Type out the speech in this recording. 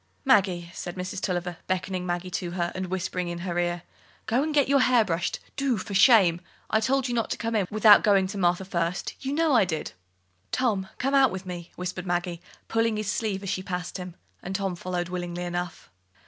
"Maggie," said Mrs. Tulliver, beckoning Maggie to her, and whispering in her ear, "go and get your hair brushed, do, for shame! I told you not to come in without going to Martha first; you know I did." "Tom, come out with me," whispered Maggie, pulling his sleeve as she passed him; and Tom followed willingly enough.